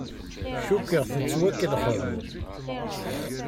Cukkeɣ tettwakellexem.